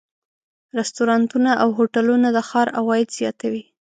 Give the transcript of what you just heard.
رستورانتونه او هوټلونه د ښار عواید زیاتوي.